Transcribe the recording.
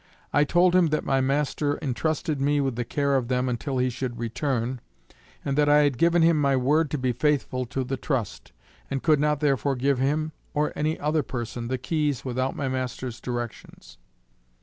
I told him that my master intrusted me with the care of them until he should return, and that I had given him my word to be faithful to the trust, and could not therefore give him or any other person the keys without my master's directions.